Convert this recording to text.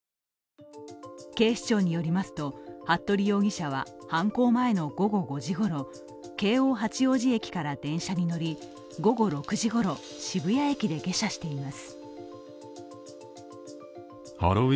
警視庁によりますと服部容疑者は犯行前の午後５時ごろ京王八王子駅から電車に乗り午後６時ごろ、渋谷駅で下車しています。